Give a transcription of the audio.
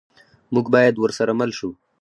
موږ باید ورسره مل شو.